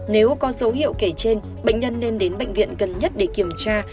nếu có dấu hiệu kể trên bệnh nhân nên đến bệnh viện gần nhất để kiểm tra